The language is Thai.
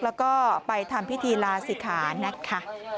แล้วก็ไปทำพิธีลาศิขานะคะ